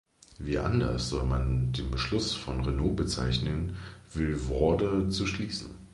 Wie anders soll man den Beschluss von Renault bezeichnen, Vilvoorde zu schließen?